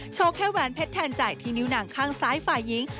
แค่แหวนเพชรแทนใจที่นิ้วหนังข้างซ้ายฝ่ายหญิง